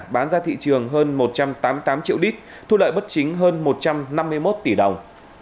bán ra thị trường hơn một trăm tám mươi tám triệu lít thu lợi bất chính hơn một trăm năm mươi một tỷ đồng